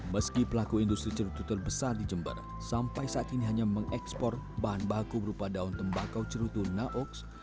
meski pelaku industri cerutu terbesar di jember sampai saat ini hanya mengekspor bahan baku berupa daun tembakau cerutu naox